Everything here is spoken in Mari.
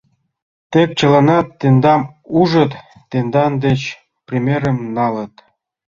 Тек чыланат тендам ужыт, тендан деч примерым налыт!